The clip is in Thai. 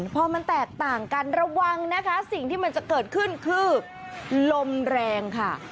พอมันแตกต่างกันระวังนะคะสิ่งที่มันจะเกิดขึ้นคือลมแรงค่ะ